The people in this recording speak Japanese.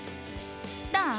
どう？